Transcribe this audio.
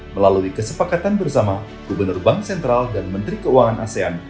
melalui kesepakatan bersama gubernur bank sentral dan menteri keuangan asean